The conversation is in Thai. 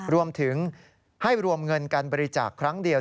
รวมถึงให้รวมเงินการบริจาคครั้งเดียว